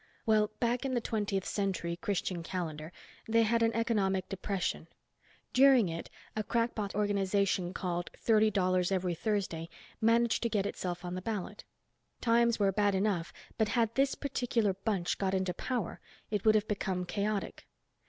Well, back in the Twentieth Century, Christian calendar, they had an economic depression. During it a crackpot organization called Thirty Dollars Every Thursday managed to get itself on the ballot. Times were bad enough but had this particular bunch got into power it would have become chaotic.